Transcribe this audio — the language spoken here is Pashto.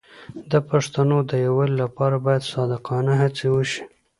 د پښتنو د یووالي لپاره باید صادقانه هڅې وشي.